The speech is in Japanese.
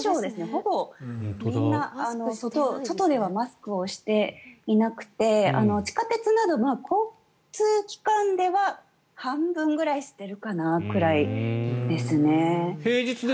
ほぼみんな外ではマスクをしていなくて地下鉄などの交通機関では半分ぐらいしているかな？くらいですね。